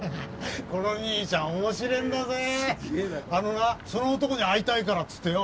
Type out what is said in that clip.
この兄ちゃん面白えんだぜあのなその男に会いたいからっつってよ